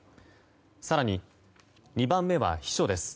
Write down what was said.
更に、２番目は秘書です。